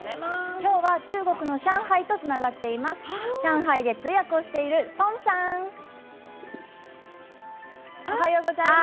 きょうは中国の上海とつながっています。